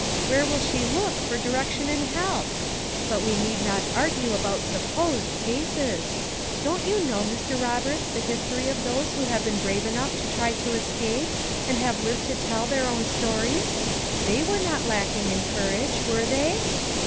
Where will she look for direction and help? But we need not argue about supposed cases. Don't you know, Mr. Roberts, the histories of those who have been brave enough to try to escape, and have lived to tell their own stories? They were not lacking in courage, were they?"